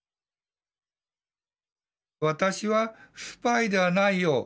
「私はスパイではないよ。